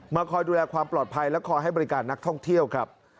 คอยดูแลความปลอดภัยและคอยให้บริการนักท่องเที่ยวครับ